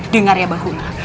dengar ya bahula